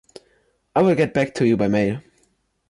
I will get back to you by mail.